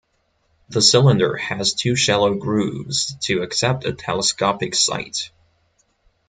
The cylinder had two shallow grooves to accept a telescopic sight.